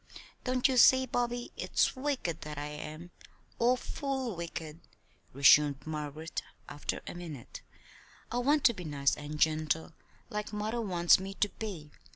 "Don't you see, Bobby, it's wicked that I am awful wicked," resumed Margaret, after a minute. "I want to be nice and gentle like mother wants me to be.